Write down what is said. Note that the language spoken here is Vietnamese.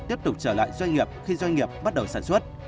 tiếp tục trở lại doanh nghiệp khi doanh nghiệp bắt đầu sản xuất